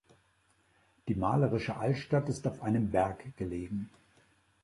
Die malerische Altstadt ist auf einem Berg gelegen.